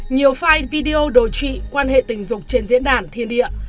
nhiều file video đồ trị quan hệ tình dục trên diễn đàn thiên địa